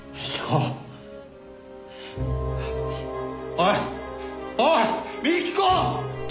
おいおい幹子！